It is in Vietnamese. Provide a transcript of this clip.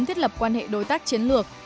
thiết lập quan hệ đối tác chiến lược